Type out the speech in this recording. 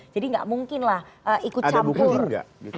jadi gak mungkin lah ikut calon calonnya